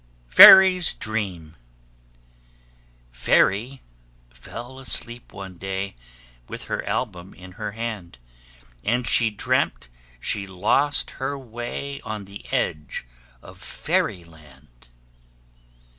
FAIRY'S DREAM Fairy fell asleep one day With her album in her hand, And she dreamt she lost her way On the edge of Fairyland.